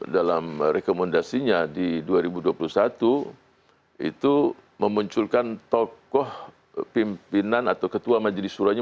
dalam rekomendasinya di dua ribu dua puluh satu itu memunculkan tokoh pimpinan atau ketua majelis surahnya